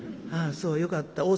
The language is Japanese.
ああそうよかった。